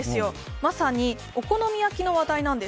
まさにお好み焼きの話題なんです。